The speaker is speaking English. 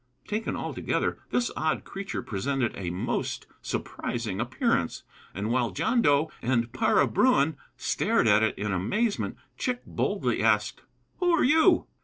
Taken altogether, this odd creature presented a most surprising appearance, and while John Dough and Para Bruin stared at it in amazement Chick boldly asked: "Who are you?"